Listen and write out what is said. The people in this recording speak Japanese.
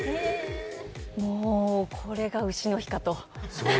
もう、これが丑の日かと。